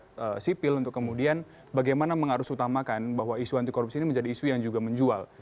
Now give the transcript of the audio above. masyarakat sipil untuk kemudian bagaimana mengarus utamakan bahwa isu anti korupsi ini menjadi isu yang juga menjual